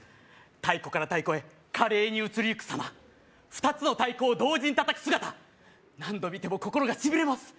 太鼓から太鼓へ華麗に移りゆくさま２つの太鼓を同時に叩く姿何度見ても心がしびれます